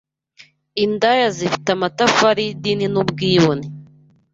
indaya zifite amatafari yidini nubwibone